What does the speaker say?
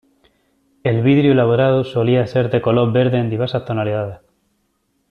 El vidrio elaborado solía ser de color verde en diversas tonalidades.